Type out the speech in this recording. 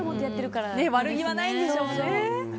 悪気はないんでしょうね。